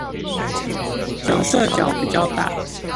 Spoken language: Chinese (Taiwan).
折射角比較大